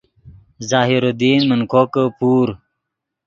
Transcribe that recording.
ظاہر الدین من کوکے پور